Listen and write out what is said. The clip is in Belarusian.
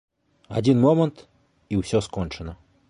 Адзін момант, і ўсё скончана.